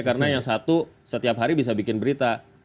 karena yang satu setiap hari bisa bikin berita